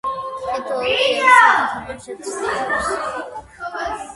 თითოეულში ექვსი მოთამაშით ცდილობს